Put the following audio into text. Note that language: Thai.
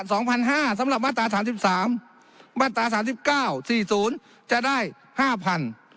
สองพันห้าสำหรับมาตราสามสิบสามมาตราสามสิบเก้าสี่ศูนย์จะได้ห้าพัน